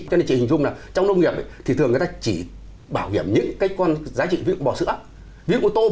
cho nên chị hình dung là trong nông nghiệp thì thường người ta chỉ bảo hiểm những cái con giá trị ví dụ bò sữa ví dụ con tôm